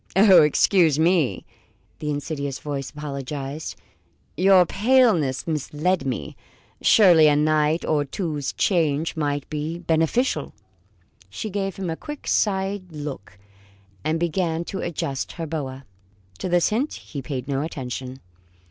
"Ah, excuse me!" the insidious voice apologized, "your paleness misled me. Surely a night or two's change might be beneficial." She gave him a quick side look, and began to adjust her boa. To this hint he paid no attention.